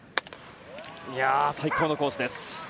最高のコースです。